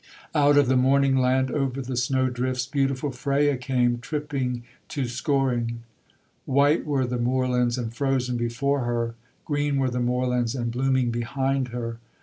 Out of the morning land, Over the snow drifts, Beautiful Freya came, Tripping to Scoring. White were the moorlands, And frozen before her: Green were the moorlands, And blooming behind her.